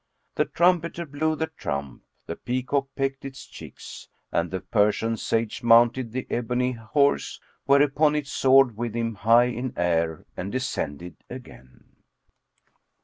The trumpeter blew the trump; the peacock pecked its chicks and the Persian sage mounted the ebony house, whereupon it soared with him high in air and descended again.